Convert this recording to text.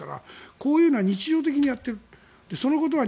こういうのは日常的にやっている。